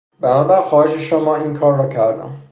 بنابر خواهش شما این کار را کردم